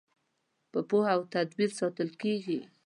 په پوهه او تدبیر ساتل کیږي.